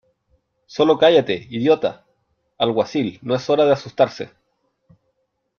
¡ Sólo cállate , idiota ! Alguacil , no es hora de asustarse .